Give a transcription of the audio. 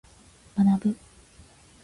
学ぶ。